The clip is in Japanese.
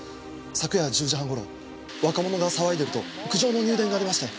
昨夜１０時半頃若者が騒いでいると苦情の入電がありまして。